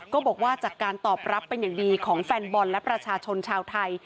ก็บอกว่าจากการตอบรับเป็นอย่างดีของแฟนบอลและประชาชนชาวไทย